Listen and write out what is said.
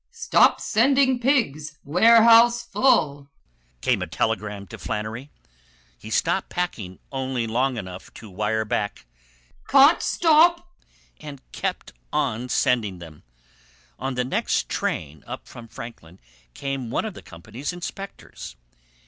"Stop sending pigs. Warehouse full," came a telegram to Flannery. He stopped packing only long enough to wire back, "Can't stop," and kept on sending them. On the next train up from Franklin came one of the company's inspectors.